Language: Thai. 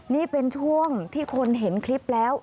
นี่เป็นช่วงที่คนเห็นคลิปแล้ว